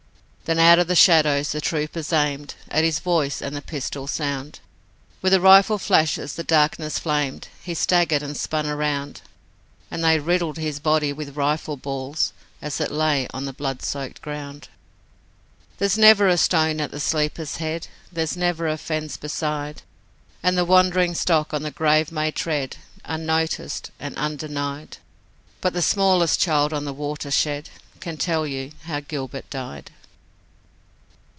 Then out of the shadows the troopers aimed At his voice and the pistol sound, With the rifle flashes the darkness flamed, He staggered and spun around, And they riddled his body with rifle balls As it lay on the blood soaked ground. There's never a stone at the sleeper's head, There's never a fence beside, And the wandering stock on the grave may tread Unnoticed and undenied, But the smallest child on the Watershed Can tell you how Gilbert died.